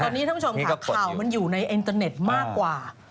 ตอนนี้ท่านผู้ชมค่ะข่าวมันอยู่ในอินเตอร์เน็ตมากกว่า